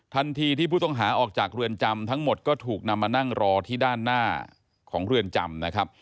ทันทีที่ผู้ต้องหาออกจากเรือนจำทั้งหมดก็ถูกนำมานั่งรอที่ด้านหน้าของเรือนจำนะครับ